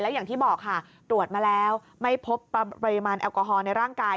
อย่างที่บอกค่ะตรวจมาแล้วไม่พบปริมาณแอลกอฮอลในร่างกาย